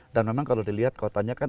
dan memang kalau dilihat kotanya kan